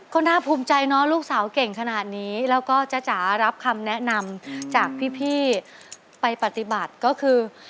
ก็น่าภูมิใจเนอะลูกสาวเก่งขนาดนี้แล้วก็จ๊ะจ๋ารับคำแนะนำจากพี่ไปปฏิบัติก็คือ